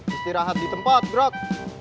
istirahat di tempat gerak